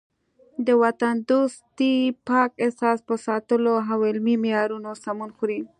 د وطن دوستۍ پاک حس په ساتلو او علمي معیارونو سمون خوري.